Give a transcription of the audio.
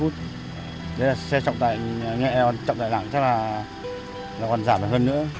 thế là xe chậm tải nhẹ chậm tải lẳng chắc là còn giảm hơn nữa